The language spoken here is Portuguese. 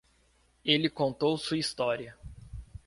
Ele contou sua história.